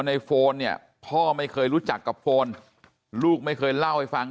โฟนเนี่ยพ่อไม่เคยรู้จักกับโฟนลูกไม่เคยเล่าให้ฟัง